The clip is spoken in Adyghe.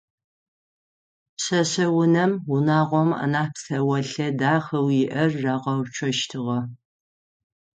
Пшъэшъэунэм унагъом анахь псэолъэ дахэу иӏэр рагъэуцощтыгъэ.